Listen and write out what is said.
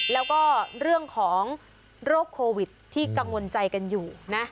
แล้วก็เรื่องของโรคโควิดที่กังวลใจกันอยู่นะ